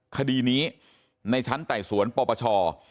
คดีนี้ในชั้นไต่สวนปปช